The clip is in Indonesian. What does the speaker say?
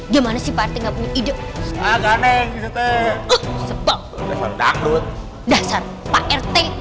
gimana sih partai gak punya ide ide